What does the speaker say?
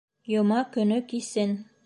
Йома көнө кисен